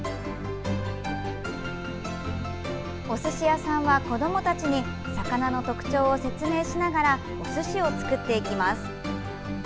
おすし屋さんは、子どもたちに魚の特徴を説明しながらおすしを作っていきます。